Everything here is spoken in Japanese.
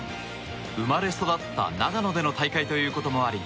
生まれ育った長野での大会ということもあり